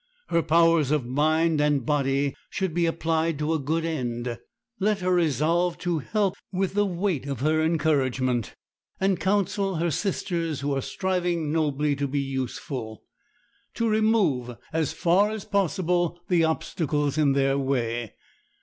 Her powers of mind and body should be applied to a good end. Let her resolve to help with the weight of her encouragement and counsels her sisters who are striving nobly to be useful, to remove as far as possible the obstacles in their way.